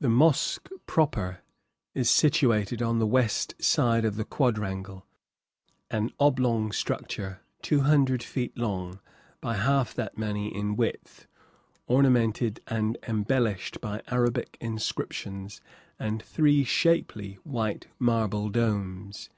The mosque proper is situated on the west side of the quadrangle, an oblong structure two hundred feet long by half that many in width, ornamented and embellished by Arabic inscriptions and three shapely white marble domes.